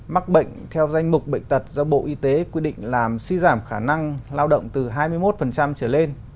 mắc bệnh theo danh mục bệnh tật do bộ y tế quy định làm suy giảm khả năng lao động từ hai mươi một trở lên